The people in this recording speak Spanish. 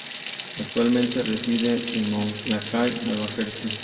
Actualmente reside en Montclair, Nueva Jersey.